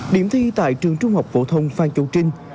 điểm thi tại trường trung học phổ thông phan chu trinh